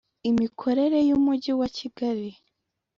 imikorere y Umujyi wa Kigali